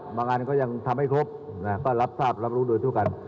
บางอย่างก็ยังทำไม่ครบก็รับทราบรับรู้โดยทุกขั้น